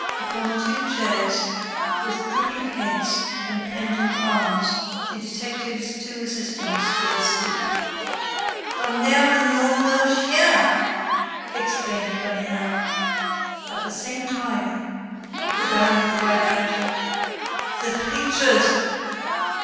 Upon two chairs, with drooping heads and pendent arms, the detective's two assistants were asleep. "Tonnerre de nom d'un chien!" exclaimed Ganimard. At the same moment, the baron cried out: "The pictures!